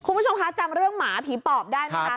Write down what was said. คุณผู้ชมคะจำเรื่องหมาผีปอบได้ไหมคะ